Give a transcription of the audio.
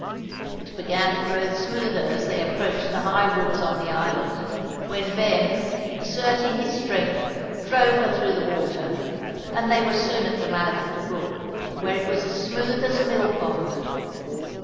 It began to grow smoother as they approached the high woods on the island, when Ben, exerting his strength, drove her through the water, and they were soon at the mouth of the brook, where it was as smooth as a mill pond.